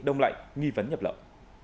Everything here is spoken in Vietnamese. đông lạnh nghi vấn nhập lậu